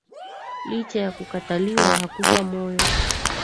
Licha ya kukataliwa, hakufa moyo